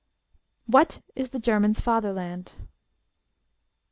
WHAT IS THE GERMAN'S FATHERLAND?